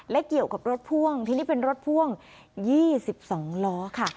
และเกี่ยวกับรถพ่วงทีนี้เป็นรถพ่วง๒๒ล้อค่ะ